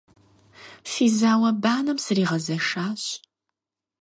Фи зауэ-банэм сригъэзэшащ.